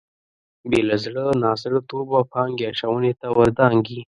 بې له زړه نازړه توبه پانګې اچونې ته ور دانګي.